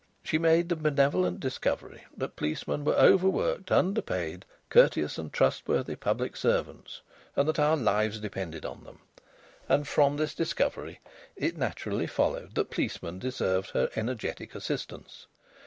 She made the benevolent discovery that policemen were over worked, underpaid, courteous and trustworthy public servants, and that our lives depended on them. And from this discovery it naturally followed that policemen deserved her energetic assistance.